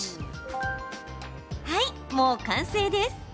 はい、もう完成です。